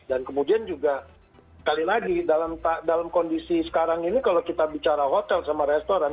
dan kemudian juga sekali lagi dalam kondisi sekarang ini kalau kita bicara hotel sama restoran